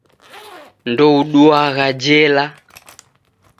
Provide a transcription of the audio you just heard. Ndouduagha jela.